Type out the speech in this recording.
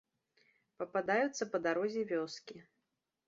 Пападаюцца па дарозе вёскі.